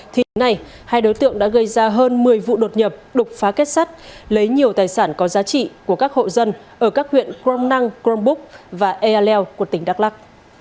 thì đến nay hai đối tượng đã gây ra hơn một mươi vụ đột nhập đục phá kết sắt lấy nhiều tài sản có giá trị của các hộ dân ở các huyện crom năng crong búc và ea leo của tỉnh đắk lắc